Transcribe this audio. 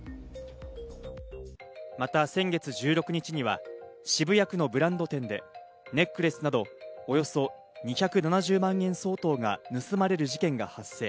また先月１６日には渋谷区のブランド店でネックレスなど、およそ２７０万円相当が盗まれる事件が発生。